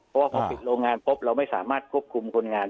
เพราะว่าพอปิดโรงงานปุ๊บเราไม่สามารถควบคุมคนงาน